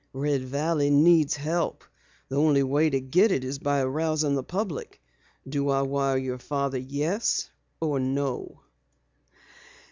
"Red Valley needs help. The only way to get it is by arousing the public. Do I wire your father 'yes' or 'no'?"